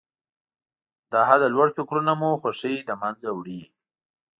له حده لوړ فکرونه مو خوښۍ له منځه وړي.